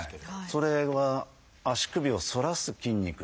それは足首を反らす筋肉。